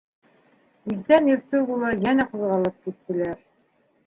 Иртән иртүк улар йәнә ҡуҙғалып киттеләр.